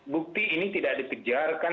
bukti ini tidak dikejarkan